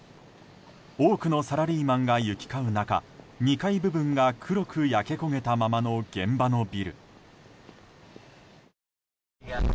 多くのサラリーマンが行き交う中２階部分が黒く焼け焦げたままの現場のビル。